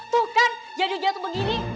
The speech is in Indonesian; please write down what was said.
tuh kan jadi jatuh begini